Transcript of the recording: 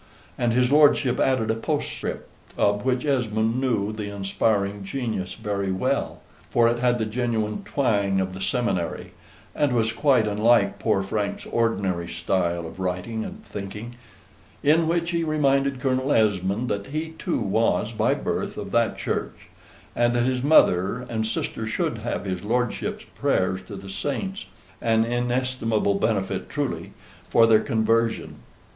And his lordship added a postscript, of which Esmond knew the inspiring genius very well, for it had the genuine twang of the Seminary, and was quite unlike poor Frank's ordinary style of writing and thinking; in which he reminded Colonel Esmond that he too was, by birth, of that church; and that his mother and sister should have his lordship's prayers to the saints (an inestimable benefit, truly!) for their conversion.